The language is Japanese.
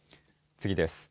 次です。